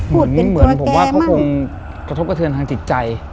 เหมือนผมว่าเขาคงกระทบกระเทือนทางจิตใจ